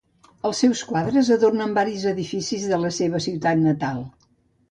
Els seus quadres adornen varis dels edificis de la seva ciutat natal.